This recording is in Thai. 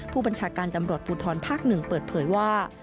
ผู้บัญชาการตำรวจภูทรภาค๑เปิดเผยว่า